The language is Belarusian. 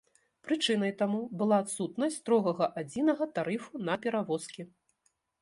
Прычынай таму была адсутнасць строгага адзінага тарыфу на перавозкі.